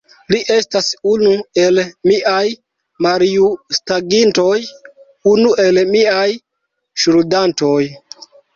Li estas unu el miaj maljustagintoj, unu el miaj ŝuldantoj!